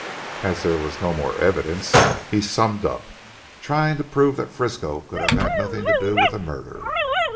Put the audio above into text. As there was no more evidence, he summed up, trying to prove that Frisco could have had nothing to do with the murder.